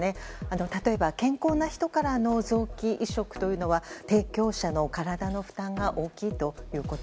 例えば、健康な人からの臓器移植というのは提供者の体の負担が大きいということ。